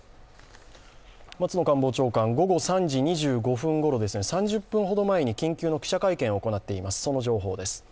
松野官房長官、午後３時２５分ごろ、３０分ほど前に緊急の記者会見を行っています、その情報です。